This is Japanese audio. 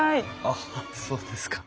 あっそうですか。